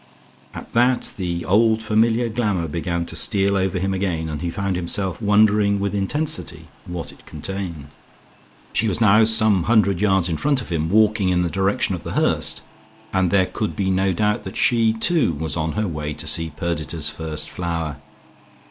At that the "old familiar glamour" began to steal over him again, and he found himself wondering with intensity what it contained. She was now some hundred yards in front of him, walking in the direction of The Hurst, and there could be no doubt that she, too, was on her way to see Perdita's first flower.